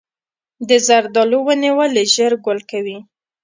د زردالو ونې ولې ژر ګل کوي؟